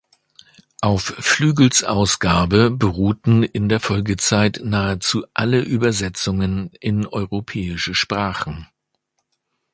Auf Flügels Ausgabe beruhten in der Folgezeit nahezu alle Übersetzungen in europäische Sprachen.